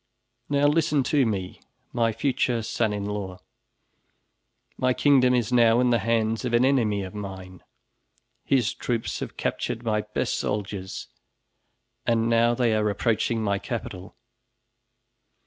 Now listen to me, my future son in law. My kingdom is now in the hands of an enemy of mine. His troops have captured my best soldiers and now they are approaching my capital.